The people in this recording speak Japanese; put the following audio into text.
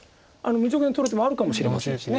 無条件で取る手もあるかもしれませんし。